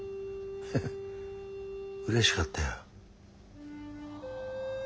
ヘヘッうれしかったよ。